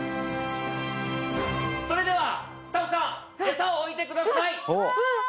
それではスタッフさんエサを置いてください